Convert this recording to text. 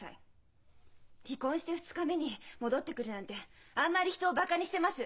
離婚して２日目に戻ってくるなんてあんまり人をバカにしてます！